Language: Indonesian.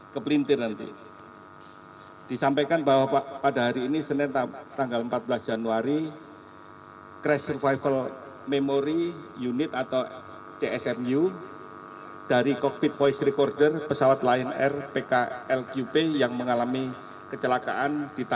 ketua kknkt yang saya kasihi dan beri indikasi kepada tni dan terima kasih